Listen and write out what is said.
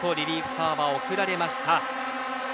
サーバー送られました。